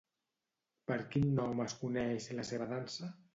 Per quin nom es coneix la seva dansa?